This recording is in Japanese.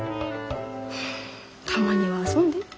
たまには遊んで。